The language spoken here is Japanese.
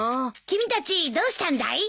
君たちどうしたんだい？